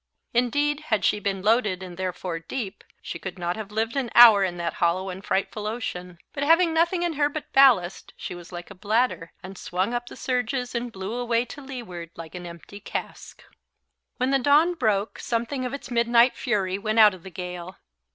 Indeed, had she been loaded, and therefore deep, she could not have lived an hour in that hollow and frightful ocean; but having nothing in her but ballast she was like a bladder, and swung up the surges and blew away to leeward like an empty cask. When the dawn broke something of its midnight fury went out of the gale.